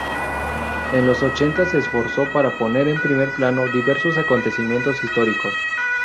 En los ochenta se esforzó por poner en primer plano diversos acontecimientos históricos.